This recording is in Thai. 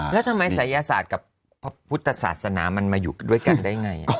แล้วทำไมศัยศาสตร์กับพระพุทธศาสนามันมาอยู่ด้วยกันได้ไง